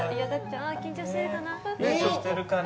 緊張してるかな。